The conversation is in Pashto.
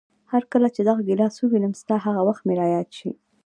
هرکله چې دغه ګیلاس ووینم، ستا هغه وخت مې را یاد شي.